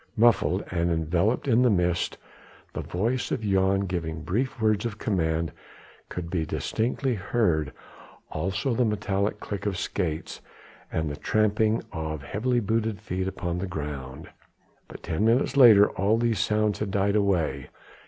Muffled and enveloped in the mist, the voice of Jan giving brief words of command could be distinctly heard, also the metallic click of skates and the tramping of heavily booted feet upon the ground. But ten minutes later all these sounds had died away.